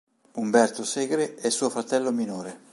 Umberto Segre è suo fratello minore.